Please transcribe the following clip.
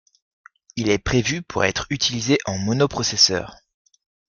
Il est prévu pour être utilisé en mono-processeur.